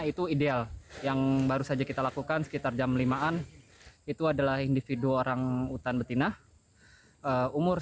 itu ideal yang baru saja kita lakukan sekitar jam limaan itu adalah individu orangutan betina umur